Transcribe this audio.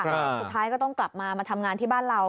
สุดท้ายก็ต้องกลับมามาทำงานที่บ้านเรา